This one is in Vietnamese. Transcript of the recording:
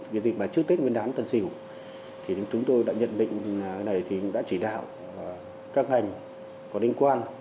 trước tết nguyên đán tân sỉu chúng tôi đã nhận định đã chỉ đạo các ngành có liên quan